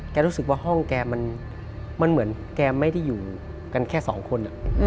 รู้สึกว่าห้องแกมันเหมือนแกไม่ได้อยู่กันแค่สองคน